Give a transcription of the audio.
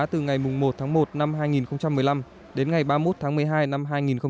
từ ngày một tháng một năm hai nghìn một mươi năm đến ngày ba mươi một tháng một mươi hai năm hai nghìn một mươi chín